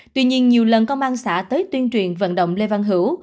tuy nhiên nhiều lần công an xã tới tuyên truyền vận động lê văn hữu